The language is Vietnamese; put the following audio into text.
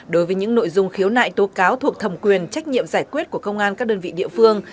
đối với những nội dung khiếu nại tố cáo thuộc thẩm quyền trách nhiệm giải quyết của công an các đơn vị địa phương